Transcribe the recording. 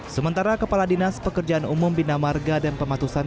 sementara kepala dinas pekerjaan umum bina marga dan pematusan